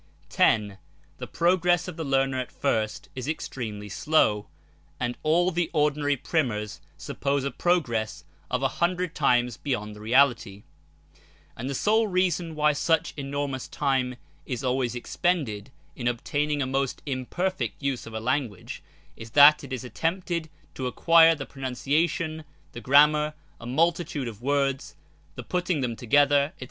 10. The progress of the learner at first is extremely slow, ,and all ftie ordinary Primers suppose a progress a hundred times beyond the reality ; and the sole reason why such enormous time is always expended in obtaining a most imperfect use of a language is that it is attempted to acquire the pronunciation, the grammar, a multitude of words, the putting them together, &c.